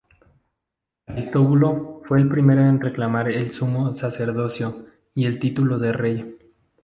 Aristóbulo fue el primero en reclamar el Sumo Sacerdocio y el título de Rey.